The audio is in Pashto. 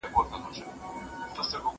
زه مخکي مېوې راټولې کړي وې!.